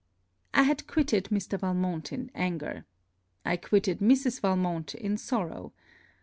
I had quitted Mr. Valmont in anger. I quitted Mrs. Valmont in sorrow.